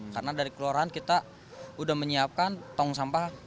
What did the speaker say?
karena dari keluaran kita udah menyiapkan tong sampah